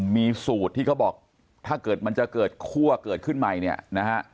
มีสูตรที่เขาบอกถ้าเกิดมันจะเกิดคั่วเกิดขึ้นใหม่เนี่ยนะฮะ